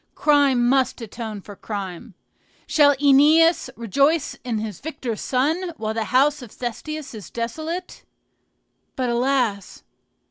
Crime must atone for crime. Shall OEneus rejoice in his victor son, while the house of Thestius is desolate? But, alas!